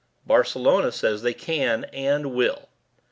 "Barcelona says they can. And will."